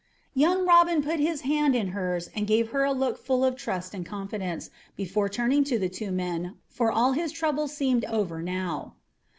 Young Robin put his hand in hers and gave her a look full of trust and confidence, before turning to the two men, for all his troubles seemed over now.